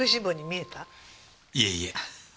いえいえ。